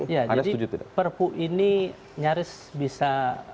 jadi perpu ini nyaris bisa